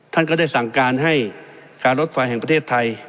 ท่านก็ได้สั่งการให้การรถไฟแห่งประเทศไทย